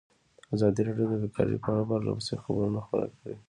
ازادي راډیو د بیکاري په اړه پرله پسې خبرونه خپاره کړي.